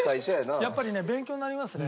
やっぱりね勉強になりますね。